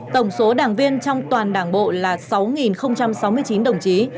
tổng số đảng viên trong toàn đảng bộ là sáu sáu mươi chín đồng chí